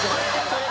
それ。